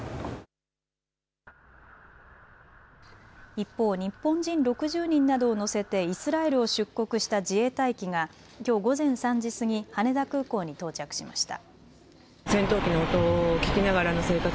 一方、日本人６０人などを乗せてイスラエルを出国した自衛隊機がきょう午前３時過ぎ羽田空港に到着しました。